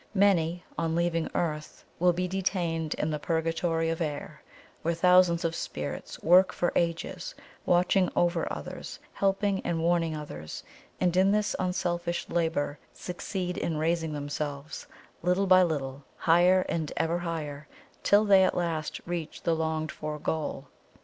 Many, on leaving Earth, will be detained in the Purgatory of Air, where thousands of spirits work for ages, watching over others, helping and warning others, and in this unselfish labour succeed in raising themselves, little by little, higher and ever higher, till they at last reach the longed for goal.